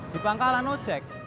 di pangkalan ojek